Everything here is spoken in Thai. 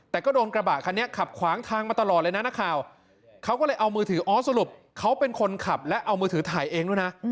แต่ก็โดนกระบะคันนี้ขับขวางทางมาตลอดเลยนะนักข่าวเขาก็เลยเอามือถืออ๋อสรุปเขาเป็นคนขับและเอามือถือถ่ายเองด้วยนะ